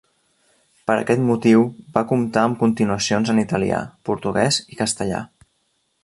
Per aquest motiu va comptar amb continuacions en italià, portuguès i castellà.